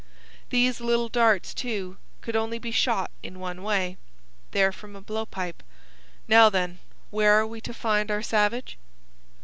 These little darts, too, could only be shot in one way. They are from a blow pipe. Now, then, where are we to find our savage?"